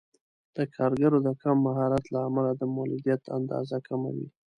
د کارګرو د کم مهارت له امله د مولدیت اندازه کمه وي.